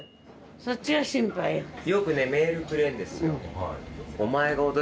そっちが心配よ。